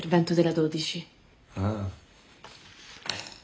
ああ。